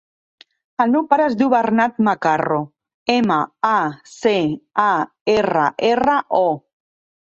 El meu pare es diu Bernat Macarro: ema, a, ce, a, erra, erra, o.